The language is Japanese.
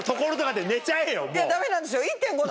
ダメなんですよ。